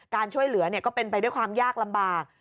การช่วยเหลือก็เป็นไปด้วยความยากลำบาก